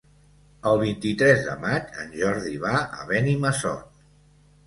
El vint-i-tres de maig en Jordi va a Benimassot.